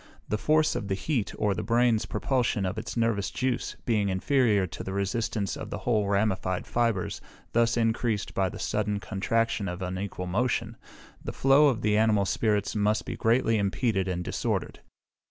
The force of the heat, or the brain's propulsion of its nervous juice, being inferior to the resistance of the whole ramified fibres thus encreased by the sudden contraction and unequal motion, the flow of the animal spirits must be greatly impeded and disordered.